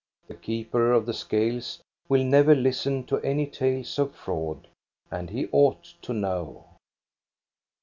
The keeper of the scales will never listen to any tales of fraud, and he ought to know.